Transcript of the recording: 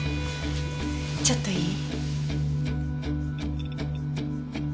ちょっといい？